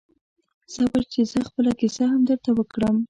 صبر چې زه خپله کیسه هم درته وکړم